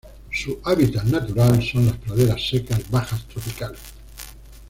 Su hábitat natural son las praderas secas bajas tropicales.